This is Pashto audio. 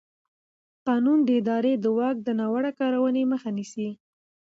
قانون د ادارې د واک د ناوړه کارونې مخه نیسي.